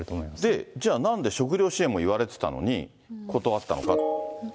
で、じゃあ、なんで食料支援も言われてたのに断わったのかと。